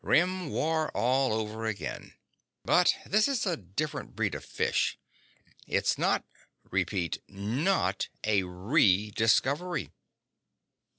Rim War all over again. But this is a different breed of fish. It's not, repeat, not a re discovery."